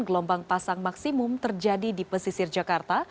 gelombang pasang maksimum terjadi di pesisir jakarta